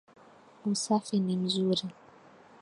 Usafi ni mzuri.